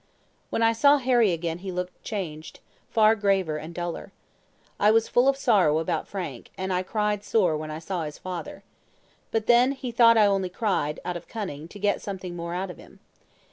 "When I saw Harry again he looked changed far graver and duller. I was full of sorrow about Frank; and I cried sore when I saw his father. But then he thought I only cried, out of cunning, to get something more out of him.